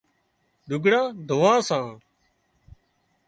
لگھڙان ڌوراوان سان